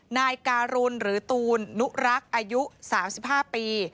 นายการุณหรือตูนนุรักษ์อายุ๓๕ปี